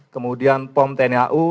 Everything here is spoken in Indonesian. kemudian pom tni au